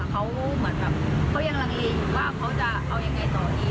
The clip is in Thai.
เขาเหมือนกับเขายังลังเลอยู่ว่าเขาจะเอายังไงต่ออีก